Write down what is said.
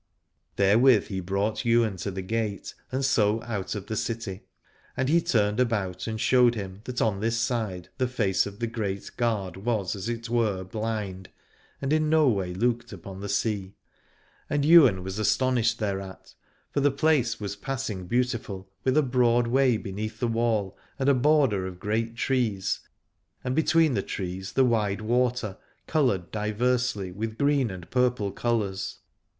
Therewith he brought Ywain to the gate and so out of the city; and he turned about and showed him that on this side the face of the Great Gard was as it were blind, and in 103 Aladore no way looked upon the sea. And Ywain was astonished thereat, for the place was passing beautiful, with a broad way beneath the wall, and a border of great trees, and between the trees the wide water, coloured diversely with green and purple colours.